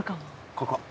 ここ。